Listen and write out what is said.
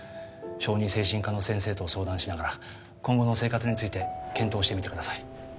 小児精神科の先生と相談しながら今後の生活について検討してみてください